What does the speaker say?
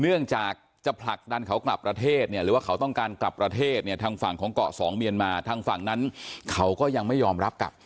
เนื่องจากจะผลักดันเขากลับประเทศเนี่ยหรือว่าเขาต้องการกลับประเทศเนี่ยทางฝั่งของเกาะสองเมียนมาทางฝั่งนั้นเขาก็ยังไม่ยอมรับกลับ